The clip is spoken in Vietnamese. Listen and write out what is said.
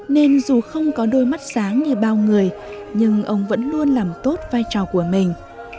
nên dù không có đôi mắt sáng như bao người nhưng ông vẫn luôn làm tốt vai trò của mình